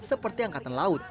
seperti angkatan laut